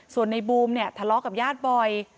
ส่วนในบูมเนี่ยทะเลาะกับญาติบ่อย